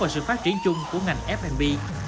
vào sự phát triển chung của ngành fnb